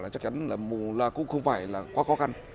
chắc chắn là cũng không phải là quá khó khăn